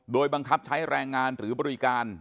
โดยบังคับใช้แรงงานหรือบริการ